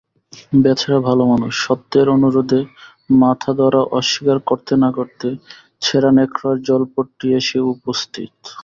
বেচারা ভালোমানুষ, সত্যের অনুরোধে মাথাধরা অস্বীকার করতে না-করতে ছেঁড়া ন্যাকড়ার জলপটি এসে উপস্থিত।